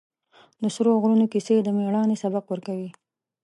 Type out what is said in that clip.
د سرو غرونو کیسې د مېړانې سبق ورکوي.